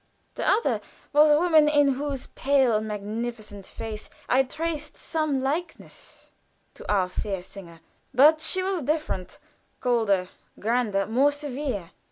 The other was a woman in whose pale, magnificent face I traced some likeness to our fair singer, but she was different; colder, grander, more severe.